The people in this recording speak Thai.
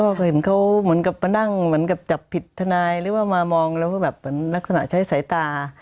ก็เห็นเขาเหมือนกับมานั่งเหมือนกับจับผิดทนายหรือว่ามามองแล้วว่าแบบเหมือนลักษณะใช้สายตา